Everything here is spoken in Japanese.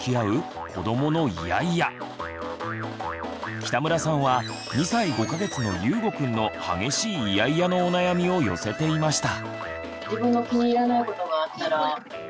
北村さんは２歳５か月のゆうごくんの激しいイヤイヤのお悩みを寄せていました。